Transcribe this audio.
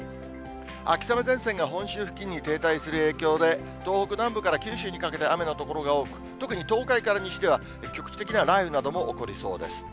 秋雨前線が本州付近に停滞する影響で、東北南部から九州にかけて、雨の所が多く、特に東海から西では局地的な雷雨なども起こりそうです。